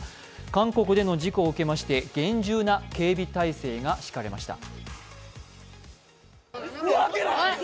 韓国での事故を受けまして厳重な警備態勢が敷かれました。